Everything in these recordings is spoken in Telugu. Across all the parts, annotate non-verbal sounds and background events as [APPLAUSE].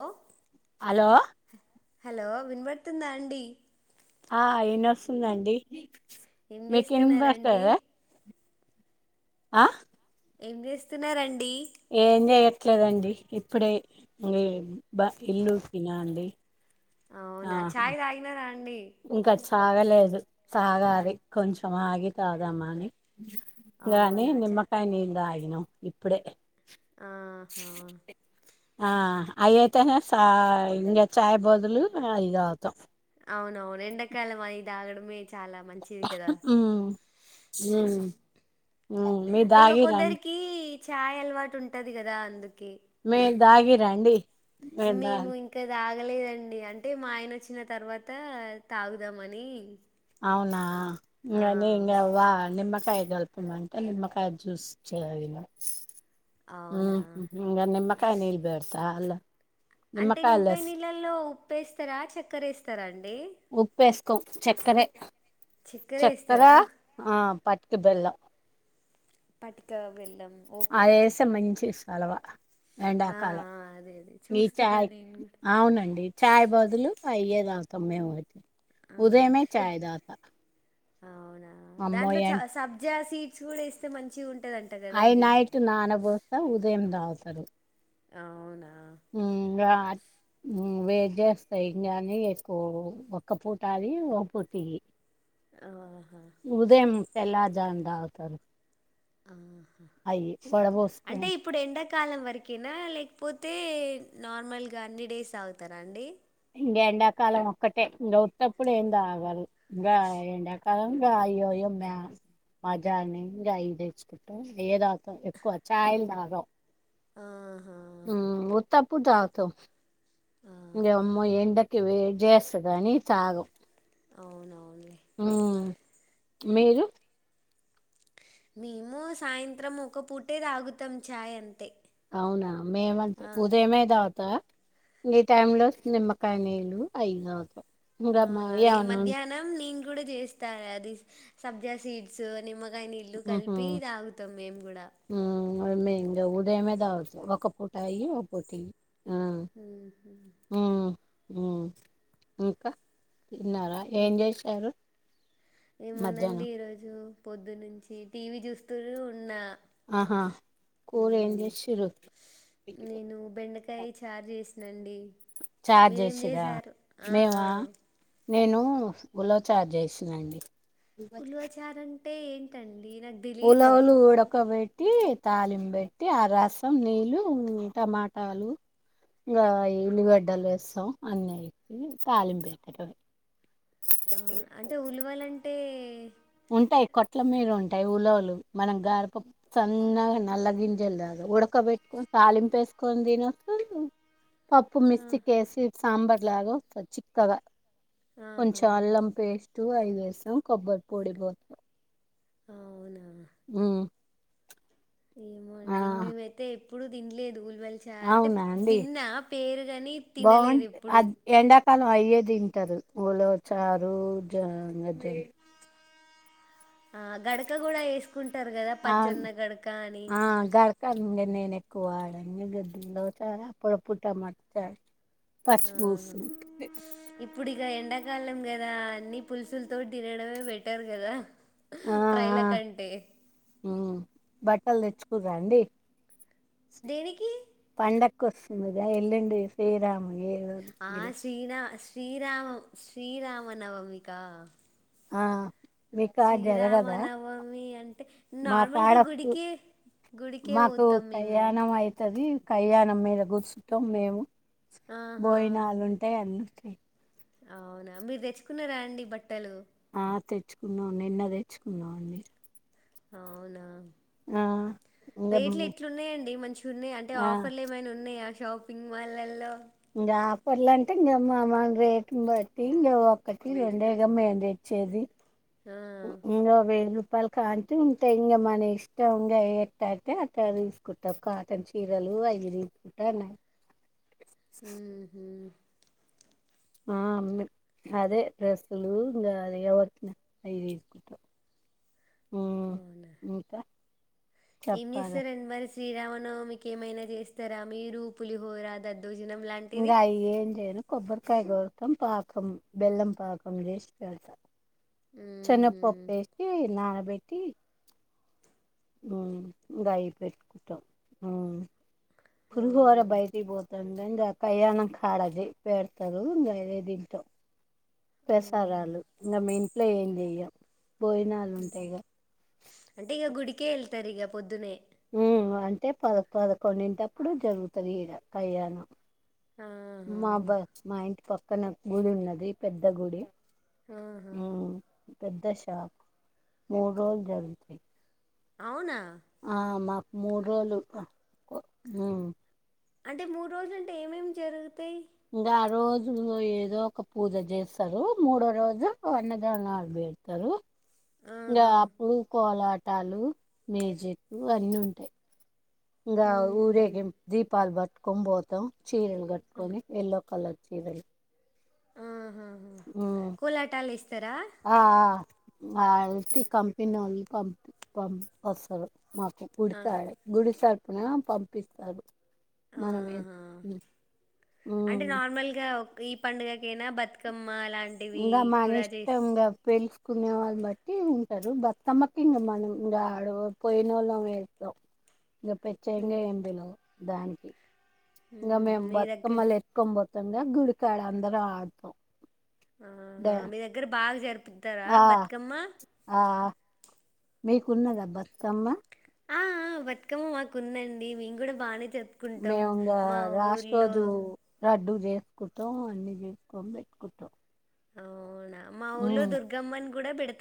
హలో హలో హలో విన్బడుతుందా అండి. ఆ అయినస్తుందండి. ఏం మీకింమ్ చేస్తున్నారండి భర్తదా ఆ ఏం చేస్తున్నారన్ ఏమ్ చేయట్ ట్లేదండి. ఇప్పుడే ఇంగ ఏం బ ఇల్లు తినండి. అవునా ఛాయ్ తాగినారా అండి. ఇంకా సాగలేదు. తగాలి కొంచెం ఆగి తాదమ్మాని రాని అవునా చ నిమకాయ నీళ్లు తాగి అ ఇప్పుడే ఆహా ఆ అవి అయితేనే సా ఇంకా చాయ బోదులు అది అవుతాం అవును అవును ఎండకాలము అవి తాగడమే చాలా మంచిది కదా ఉమ్ ఉమ్ ఉమ్ మీరు అంటే ఇక తాగిర్రా అండి కొందరికి చాయ్ అలవాటు ఉంటది కదా అందుకు మీ తాగి రండి మేము ఇంకా తాగి తాగలేదండి అంటే మా ఆయన వచ్చిన తర్వాత తాగుదామని అవునా ఆ ఇంక్కా నీ ఇంక్కా కాయ కల్పిమంట నిమ్మకాయ జ్యూస్ చదిన అవునా హమ్ ఇంకా నిమకాయ నిల్ బేడసా అలా అంటే నిమ్మకాయలు నిమ్మకాయ నీళ్ళల్లో ఉప్పు వేస్తారా చక్కర వేస్తారా అండి ఉప్పేస్ కొ చక్కర చక్కెర చక్కర వేస్తారా ఆ పట్ వెెల్ల పటిక బెల్లం ఓకే అధి ఓకే వేస్తే మంచి అలవా ఆ ఆ అదే అదే ఈ చూస్తున్నా చాయ్ నేను కూడా అవునండి చాయ్ బాదులు అయ్యే తాగుతాం మేము కూడా ఉదయమే చయ్ తగ్త అ అవును దాంట్లో చ సబ్జా సీ చూడ వేస్తే మంచిగా ఉంట ఆయ నైట్ నానబోస్తా ఉదయం తాగుతా అదే అవునా వేడి చేస్తాయి ఇంకానీ ఎక్కువ ఒక్క పూటి ఒక పూటీ ఆహా ఉదయం తెల్లారి దాన్ని తాగుతారు ఆ. అయి వడబోసుకొని అంటే ఇప్పుడు ఎండాకాలం వరకేనా లేకపోతే తే నార్మల్గా అన్ని డేస్ ఆగుతారా అండి ఇంక ఎండాకాలం ఒక్కటే ఇంకా ఉత్తప్పుడు ఏం తాగాలి ఇంకా ఎండాకాలం ఇగ అయ్యే అయ్యే మజా అని ఇంకా అ ఇయే తెచ్చుకొని అయ్యే తాగుతం. ఎక్కువ చాయ్ లు తాగం. ఆహా హ్మ్ ఉత్తపుూ తాగుతం ఇంగ ఆహా అమ్మో ఏం ట వేడి చేస్తుంది అని తాగం అవునువు అవుని ఉమ్, మీరు మేము సాయంత్రం ఒక పూటే తాగుతాం చాయ్ అంతే అవునా మేమం ఆ ఉదయమే తా ఇక ఈ టైం లో నిమ్మకాయ నీళ్లు అయి తాగుతం. ఆ అదే మధ్యాహ్నం నేను కూడా చేస్తాను అది సబ్జా సీడ్సు అని ఇంక నీళ్ళు ఉహు కలిపి తాగుతం మేము గూడా మరి మేం ఇంగ ఉదయమే తాగుతం ఒక పూట అయ్యి ఒక పూట ఇయ్యి అహ హ్మ్ ఇంకా తిన్నారా ఏం చేశారు ఏముందండి మధ్యాహ్నం ఈరోజు పొద్దు న్నుంచి టీవీ చూస్తూనే ఉన్నా ఆహా కూర ఏం ఉమ్, జేసిర్రు నండి చార్ చేసిరా మేమా ఆ నేను ఉలవ చారు చేసిన అండి. ఉలవచారు అంటే ఏంటండి నాకు తెలీదు ఉలవలు ఉడకబెట్టి తాలింబెట్టి ఆ రసం నీళ్ళు టమాటాలు ఇగ ఎల్లుగడ్డలు వేస్తాం అన్నీ తాలింప పెట్టటమే అంటే ఉలువలం ఉంటాయి కొట్లమీద ఉంటాయి ఉలవలు మనం గారపప్పు సన్నగా నల్ల గింజలుద ఉడకబెట్టుకొని తాలింప వేసుకొని తినొచ్చు పప్పు ఆ, మిక్సీ కేసి సాంబార్ లాగ స చిక్కగా [INAUDIBLE] ఆహా కొంచం అల్లం పేస్ట్ ూ ఐఎస్ం కబడ్డీ [UNINTELLIGIBLE] ఓడిబోతున్నాం ఆ అవునా ఉ ఏమో అండి మేమైతే ఇప్పుడు తిన్లేదు వాల్చా అంటే అవునా అండి విన్నా పేరు కాని తినలేదు ఎప్పుడు అల్లు అయ్యే తింటారు ఆ ఉలవచారు యా అదే ఆ గడక కూడా ఏస్ అవును, ఆ గర్క అండేది నేనే కో వాడ అ గద్ద్దలో చాల అప్పుడప్పుడు టమాట చారూ ఆ పచ్చి బూసు ఇప్పుడు ఇక ఎండాకాలం కదా అన్ని పులుసుల తోటి తినడమే బెటర్ కదా ఆ ఆ ప్రైలకంటే ఉమ్ బట్టలు తెచ్చుకున్ర అండి దేనికి కొస్తుంది కదా ఎల్లుండి శ్రీరామ ఏదో ఇది శ్రీరామం శ్రీరామనవమీక ఆ మీకాడ జరగదా శ్రీరామనవమి అంటే మా కాడ నార్మల్గా గుడికే గుడికే మాకు పోతాం మేము కళ్యాణం అయితది కళ్యాణం మీద కూర్చుటం మేము ఆహా! బోయినాళ్ళు ఉంటాయ అండి అవునా మీరు తెచ్చుకున్నారా అండి బట్టలు ఆ తెచ్చుకున్నాం నిన్న తెచ్చుకున్నాం అండి అవునా ఆ రేట్లు ఇంగ ఎట్లున్నాయండి మంచిగా ఉన్నాయ అంటే ఆ ఆఫర్లు ఏమైనా ఉన్నాయా షాపింగ్ మల్లల్లో ఇంకా ఆఫర్లు అంటే ఇంగ మా మా రేటును బట్టి ఒక్కటి రెండే గా మేం తెచ్చేది ఆ! ఇంకా వెయ్యి రూపాయలు కడ్నుంచి ఉంటై ఇంగ మన ఇష్టం ఇంగ ఎట్టతే అట్ట తీసుకుంటాం కాటన్ చీరలు అవి తీసుకుంటాం హుహు. ఆ అమ్మ అదే డ్రెస్లు ఇంకా అది ఎవ [INAUDIBLE] అవి తీసుకుంటాం మ్ ఇంకా ఏమి చెప్పాలి సరండి మరి శ్రీరామును మీకేమైనా చేస్తారా మీరూ పులిహోరా ద ఇకాయ ఏంచెను కొబ్బరికాయ కొడతాం పాకం బెల్లం పాకం చేసి పెడతాం హుహు. చెనగపప్పు వేసి నాన బెట్ కి మ్ బాయ పెట్టుకుంటాం మ్ పులిహోర అవునా! బయటటి బోతు దందంద కయ్యాణ హడది పేడతారు వేర దింట ప్రసాదాలు ఇంక మీ ఇంట్లో ఏం చెయ్య భోజనాలు ఉంటాయి గా కే ఎళ్తారు ఇక పొద్దునే హ్మ్ అంటే పద పదకొండింటప్పుడు జరుగుతుంది ఈడ కళ్యాణం ఆహా! మా బస్ మా ఇంటి పక్ పక్కన గుడి ఉన్నది పెద్ద గుడి ఆహా ఉమ్ పెద్ద షాప్ మూడు రోజులు జరుగుతాయి అవునా ఆ మా మూడు రోజులు ఆ హ్మ్ అంటే మూడు రోజులంటే ఏమేమి జరుగుతాయి ఇంకా ఆ రోజు ఏదో ఒక పూజ చేస్తారు మూడో రోజు అన్నదానాలు పెడతరు. ఇంకా ఆహా అప్పుడు కోలాట్ పలు మేజకు అన్నీ ఉంటాయి ఇకా ఊహూ ఊరేకిం దీపాలు బతు కుం పోతాం చీరలు కట్టుకొని ఎల్లో కలర్ జీవరి హాహా కోలాటాల ఇస్త ఆ ఆ ఆ అతి కంపిన నొల్లు పంప పం అసలు మాకు ఆ గుడికాడ గుడిసా ఆ పంపిస్తారు మరమే ఆహా హు అంటే నార్మల్గా ఒక్ ఈ పండుగకైనా బతుకమ్ ఇంకా మ ఇష్టం ఇంగ పెల్ కునే వాళ్ళని బట్టి ఉంటారు బత్తమ్మకి ఇంకా మనం ఇంగా ఆడ పోయిన వాళ్ళం వేస్తాం ఇంగా పెచ్చయింగా ఎంబలో దానికి ఇంగా ఊహూ మేము మీ దగ్గర బతుకమ్మలు ఎత్తుకొని పోతాం తంగా గుడికాడ అందరం ఆడుతాం ఆహా మీ దగ్గర బాగా జరుపు తారా ఆ బతుకమ్మ మీకు ఉన్నదబతుకమ్మ ఆ ఆ బతుకమ్మ మాకుందండి మేం కూడా బాగానే జరుపుకుంటాం మేము ఇంగ మా లాస్ట్ ఊర్లో రోజు లడ్డు చేసుకుంటాం అన్ని చేసుకొని పెట్టుకుంటాం అవునా మా ఊల్లో దుర్గమ్మన్ గూడా పేడ్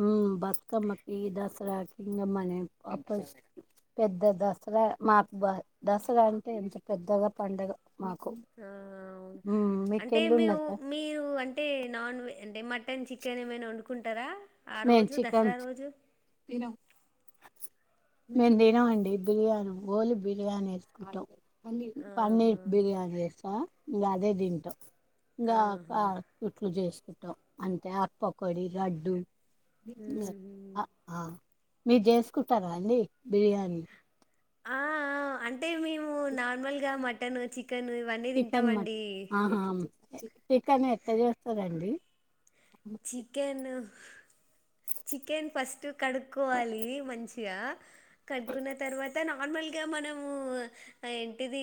హు బతుకమ్మ కి దసరా ఇంగమనే అప్పు పెద్ద దసరా మా దసరా అంటే ఇంత పెద్దగా పడుగ ఆ అవును అంటే మీకెళ్ళి మీ ఉన్నదా మీరు అంటే నాన్ వెజ్ ఏ మన్ మటన్ చికెన్ ఏమైనా వండుకుంటా ఇక్కడ ఆ మేము రోజు దసరా చికెన్ రోజు మేము తినం అండి బిర్యానీ ఓలీ బిర్యానీ వేసుకుంటాం ఆహా పన్నీర్ బిర్యానీ చేస్తవ ఇగా అదేతింటమ్ ఇంగా ఆహా ఆ అట్లా ఉట్లు చేసి కు అంతే ఆ పకోడి లడ్డూ మ్మ్ ఆ ఆ మీరు చేసుకుంటారా అండి బిర్యానీ ఆ అంటే మేము నార్మల్ గా మటన్ చికె కను ఇవన్నీ చికెన్ మట్ తింటామండి ఆహా చికెన్ ఎట్లా చేస్తారండి చికెన్ చికెన్ ఫస్ట్ కడుక్కోవాలి మంచిగా కడుక్కున్న తర్వాత అంత నార్మల్గా మనము ఏంటిది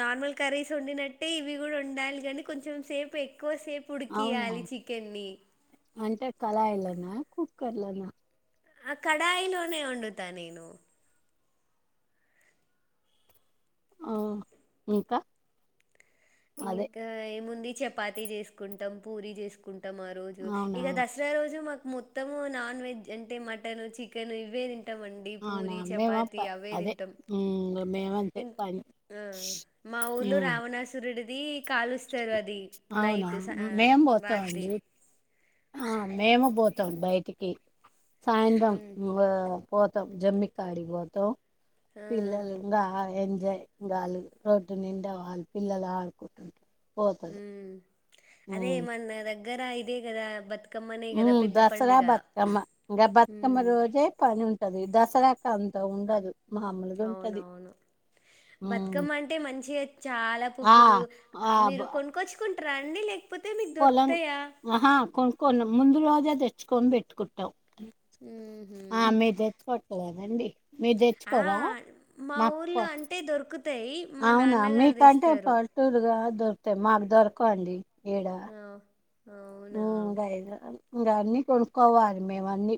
నార్మల్ కర్రీస్ వండినట్టే ఇవి కూడా ఉండాలి కానీ కొంచెం సేపు ఎ కోసే ఉడికియలి చికెన్ని కడాయి లోన కుక్కర్లోనా ఆ కడయిలోనే వండుత నేను ఆ ఇంకా అదే ఇంకా ఏముంది చపాతి చేసుకుంటాం పూరి చేసుకుంటాం మొత్తం ఆ రోజు అవునా ఇక దసరా రోజు మా మొత్తము నాన్ వెజ్ అంటే మటన్ చికెన్ ఇవే ఇట్ట వండి అవునా పూరి మేమ చపాతి ప- అవే అదే తింటాం ఉమ్, మేమంతే ఇం పని మా ఊర్లు ఉమ్. రావణాసురుడి దీ కాలుస్తారు అది అవునా నైట్ మేము రాత్రి పోతామండి ఆ మేము పోతాం బయటికి ఆ సాయంత్రం పోతాం జమ్మి కాడికి పోతాం పిల్లలుగా ఎ జ కాలు రోడ్డు నిండా వాళ్ళు పిల్లలు ఆడుకుంటుంటారు పోతారు ఉమ్ అదే మన్న దగ్ దగర ఇదే కదా బత్ ఉ దసరా బతుకమ్మ ఇంకా బతుకమ్మ మ్మ్ రోజే ప ఆది దసరాక అంత ఉండదు మామూలుగా ఉంటది అవునవును ఉమ్ బతుకమ్మ అంటే మంచిగా చాలా ఆ పువ్వులు ఆ మీరు బ- కొనుక్కొచ్చుకు రాండి పొలం హహ కొ కో ముందురోజు తెచ్చుకొని పెట్టుకుంటాం మ్మ్ ఆ హ్మ్ మీరు తెచ్చుకోట్లేదండి మీరు ఆ తెచ్చుకోరా మా మాకు ఊర్లో అంటే దొరుకుతాయి మా అవునా మీ నాన్నగారు కంటే తెస్తారు పల్లేటూరు గా దొరుకుతాయ్ మాకు దొరకవండి ఏడ ఆ అవునా ఇంకా అన్నీ కొనుక్కోవాలి మేము అన్నీ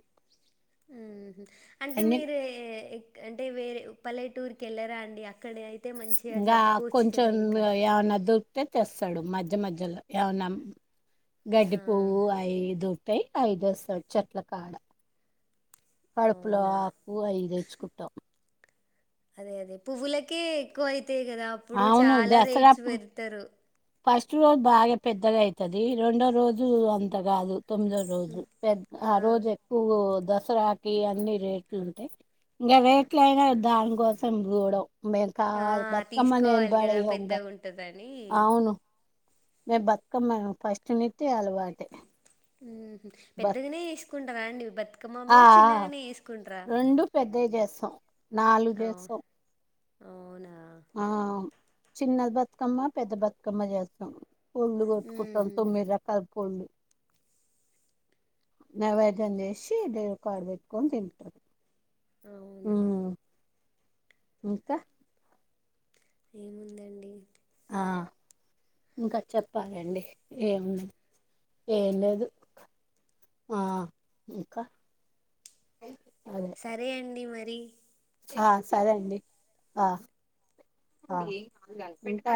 హ్మ్ హు అంటే మీరు ఏ అంటే వేరే పల్లె టూర్ కి యెళ్ళరా అండి అక్కడే అయి ఇంగా కొంచెం ఏవన్నా దొ తెస్తాడు మధ్య మధ్యలో ఏమన్నా గడ్డి ఆ పువ్వు అయి దొ టయ్ అయిదెస్తాడు చెట్ల కాడ కడుపులో అవునా ఆకు అయి తెచ్చుకుంటాం అదే అదే పువ్వులకే ఎక్కువై తె కదా అప్పుడు అవును చాలా దసరా రేట్స్ పెడతారు ఫస్ట్ రోజు బాగా పెద్దగా అయితది రెండో రోజు అంత కాదు తొమ్మిదో రోజు పెద్ద ఆ రోజు ఎక్కువ దసరాకి అన్ని రేట్లు ఉంటయ్ ఇంకా రేట్ల అయినా దానికోసం చూడం మెకా ఆ బతుకమ్మ తీసుకోవాలి నెంబడ కదా హంగ పెద్దగా ఉంటదని అవును మే బతుకమ్మ ఫస్ట్ నిట్టి అలవాటే బత్ పెద్దదినే కుంటరా అండి బతు ఆ రెండు పెద్దవి చేస్తాం నాలుగు అవు చేస్తాం అవునా ఆ చిన్న బతుకమ్మ పెద్ద బతుకమ్మ చేస్తాం ఒళ్ళు కొట్టుకుంటాం మ్మ్హ్ తొమ్మిది రకాలు నైవేద్యం చేసి దేవుడికాడ పెట్టుకొని తింటారు అవునా హ్మ్ ఇంకా ఏముందండి ఇంకా చెప్పాలండి ఏము ఏం లేదు ఇంకా అదే సరే అండి మ రి ఆ సరే అండి ఆ ఆ ఉంటా